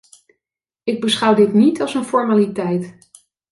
Ik beschouw dit niet als een formaliteit.